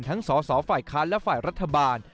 ทั้งสอฝ่ายคารและฝ่ายรัฐบาล